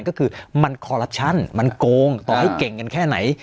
ก็คือมันคอลลัปชั่นมันโกงต่อให้เก่งกันแค่ไหน